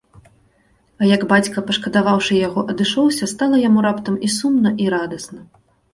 А як бацька, пашкадаваўшы яго, адышоўся, стала яму раптам і сумна, і радасна.